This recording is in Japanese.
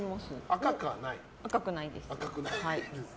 赤くはないです。